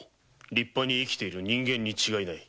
立派に生きている人間に違いない。